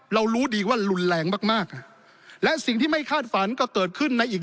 รู้ดีว่ารุนแรงมากมากและสิ่งที่ไม่คาดฝันก็เกิดขึ้นในอีก